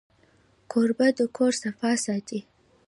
کوربه د کور صفا ساتي.